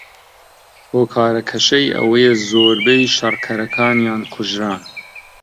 هۆکارەکەشەی ئەوەیە زۆربەی شەڕکەرەکانیان کوژران